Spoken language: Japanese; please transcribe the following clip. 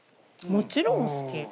もちろん好き。